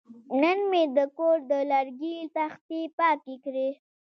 نن مې د کور د لرګي تختې پاکې کړې.